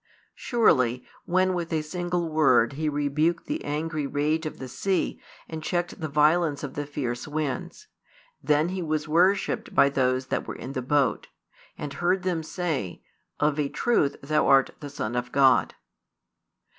Surely, when with a single word He rebuked the angry rage of the sea and checked the violence of the fierce winds, then He was worshipped by those that were in the boat, and heard them say: Of a truth Thou art the Son of God.